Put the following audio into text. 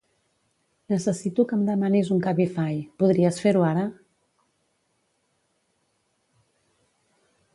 Necessito que em demanis un Cabify, podries fer-ho ara?